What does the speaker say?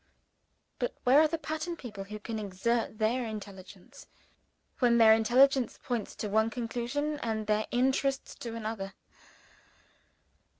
But where are the pattern people who can exert their intelligence when their intelligence points to one conclusion, and their interests to another?